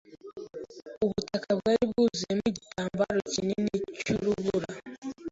Ubutaka bwari bwuzuyeho igitambaro kinini cyurubura.